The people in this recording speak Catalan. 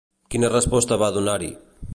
Quina resposta va donar-hi?